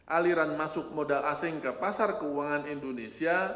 aliran masuk modal asing ke pasar keuangan indonesia